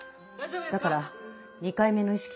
だから２回目の意識